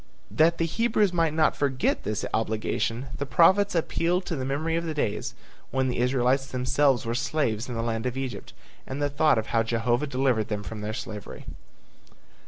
That the Hebrews might not forget this obligation, the prophets appealed to the memory of the days when the Israelites themselves were slaves in the land of Egypt and the thought of how Jehovah delivered them from their slavery.